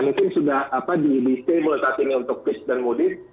mungkin sudah apa di disable saat ini untuk fitch dan moody's